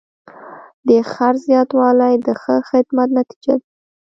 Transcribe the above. د خرڅ زیاتوالی د ښه خدمت نتیجه ده.